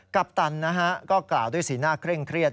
ปัปตันนะฮะก็กล่าวด้วยสีหน้าเคร่งเครียด